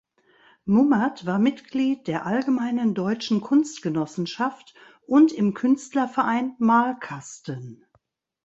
Mummert war Mitglied der Allgemeinen Deutschen Kunstgenossenschaft und im Künstlerverein "Malkasten".